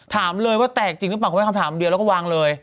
ถามเลยแตกจึงหรือเปล่าก็ไปคำถามทีเดียวและก็วางเลย